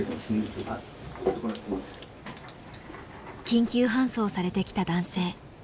緊急搬送されてきた男性。